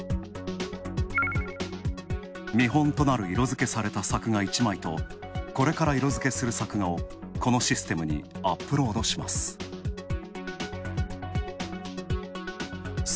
見本となる色づけされた作画１枚とこれから色づけする作画をこのシステムにアップロードします。